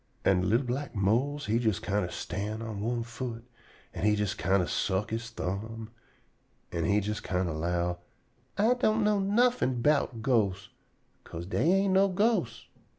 An' li'l black Mose he jes kinder stan' on one foot, an' he jes kinder suck he thumb, an' he jes kinder 'low: "I don' know nuffin' erbout ghosts, 'ca'se dey ain't no ghosts."